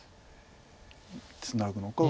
ツナぐのか